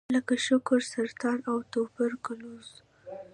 لکه شکر، سرطان او توبرکلوز.